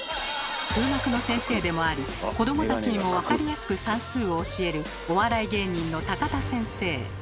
数学の先生でもあり子どもたちにもわかりやすく算数を教えるお笑い芸人のタカタ先生。